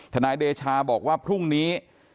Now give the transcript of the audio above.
นายเดชาบอกว่าพรุ่งนี้